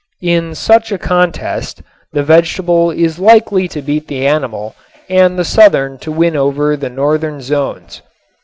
In such a contest the vegetable is likely to beat the animal and the southern to win over the northern zones.